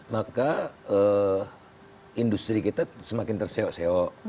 maka industri kita semakin terseok seok